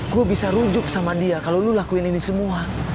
gue bisa rujuk sama dia kalau lu lakuin ini semua